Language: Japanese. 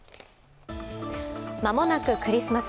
間もなくクリスマス。